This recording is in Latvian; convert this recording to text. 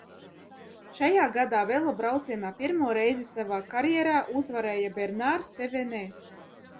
Šajā gadā velobraucienā pirmo reizi savā karjerā uzvarēja Bernārs Tevenē.